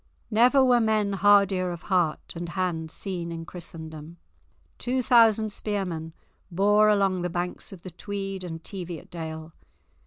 Never were men hardier of heart and hand seen in Christendom—two thousand spearmen born along the banks of the Tweed and Teviotdale.